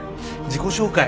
自己紹介